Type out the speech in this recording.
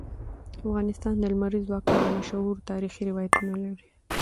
افغانستان د لمریز ځواک په اړه مشهور تاریخی روایتونه لري.